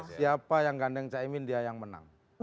siapa yang gandeng caimin dia yang menang